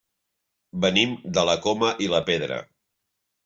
Venim de la Coma i la Pedra.